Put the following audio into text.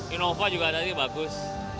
innova juga ada ini bagus